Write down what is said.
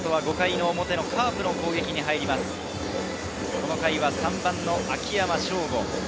この回、３番・秋山翔吾。